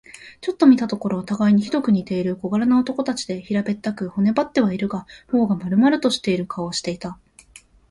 ちょっと見たところ、たがいにひどく似ている小柄な男たちで、平べったく、骨ばってはいるが、頬がまるまるしている顔をしていた。